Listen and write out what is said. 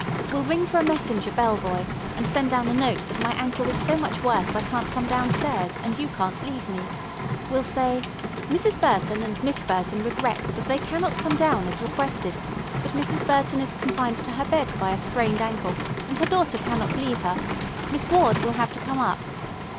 We'll ring for a messenger bell boy, and send down a note that my ankle is so much worse I can't come down stairs, and you can't leave me. We'll say: 'Mrs. Burton and Miss Burton regret that they cannot come down as requested; but Mrs. Burton is confined to her bed by a sprained ankle, and her daughter cannot leave her. Miss Ward will have to come up.